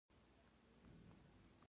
آیا چې د فشارونو پر وړاندې ولاړ دی؟